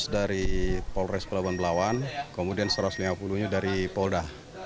dua ratus dari polres pelawan pelawan kemudian satu ratus lima puluh nya dari polda